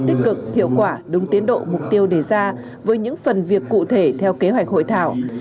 tích cực hiệu quả đúng tiến độ mục tiêu đề ra với những phần việc cụ thể theo kế hoạch hội thảo